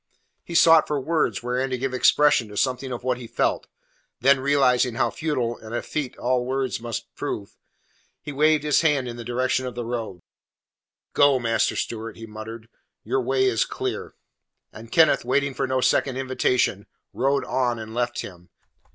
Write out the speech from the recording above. He sought for words wherein to give expression to something of what he felt, then realizing how futile and effete all words must prove, he waved his hand in the direction of the road. "Go, Master Stewart," he muttered. "Your way is clear." And Kenneth, waiting for no second invitation, rode on and left him.